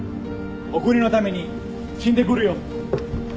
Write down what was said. お国のために死んでくるよ。